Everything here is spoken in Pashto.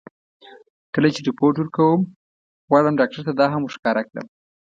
کله چې رېپورټ ورکوم، غواړم ډاکټر ته دا هم ور ښکاره کړم.